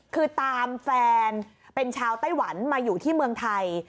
คือตามแฟนเป็นชาวไต้หวันมาอยู่ที่เมืองไทย